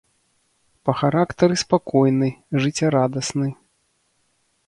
Па характары спакойны, жыццярадасны.